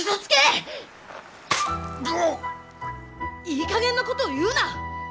いいかげんなことを言うな！